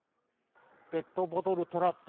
ペットボトルトラップ。